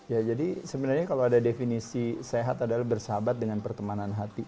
ya jadi sebenarnya kalau ada definisi sehat adalah bersahabat dengan pertemanan hati